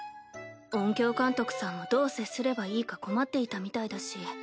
音響監督さんもどう接すればいいか困っていたみたいだし。